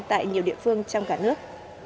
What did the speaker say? tại nhiều địa phương trong cả nước